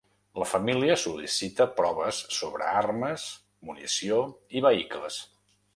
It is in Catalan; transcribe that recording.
La família sol·licita proves sobre armes, munició i vehicles.